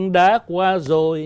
đã qua rồi